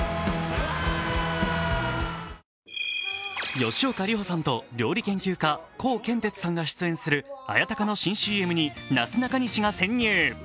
吉岡里帆さんと料理研究家・コウケンテツさんが出演する、綾鷹の新ＣＭになすなかにしが潜入。